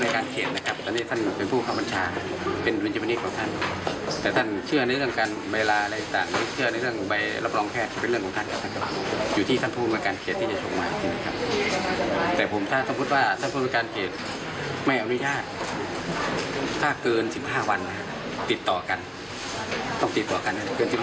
คือว่าค้าราชการเกิน๑๕วันไปก็ไม่ได้